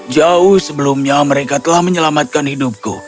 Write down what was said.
jauh sebelumnya mereka telah menyelamatkan hidupku